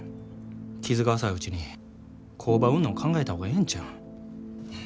傷が浅いうちに工場売んの考えた方がええんちゃうん。